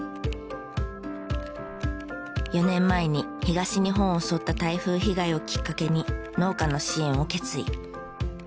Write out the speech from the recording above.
４年前に東日本を襲った台風被害をきっかけに農家の支援を決意。